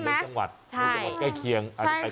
มันเครียดใช่ไหม